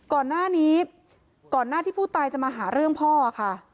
ก่อนหน้านี้ก่อนหน้าที่ผู้ตายจะมาหาเรื่องพ่อค่ะ